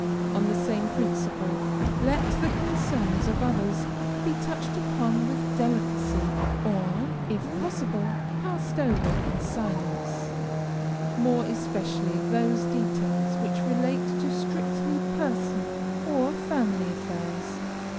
On the same principle, let the concerns of others be touched upon with delicacy, or, if possible, passed over in silence; more especially those details which relate to strictly personal or family affairs.